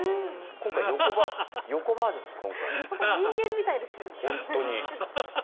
今回、横バージョンです。